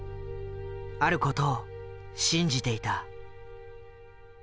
ある事を信じていた。